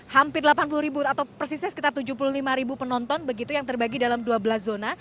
hampir delapan puluh ribu atau persisnya sekitar tujuh puluh lima ribu penonton begitu yang terbagi dalam dua belas zona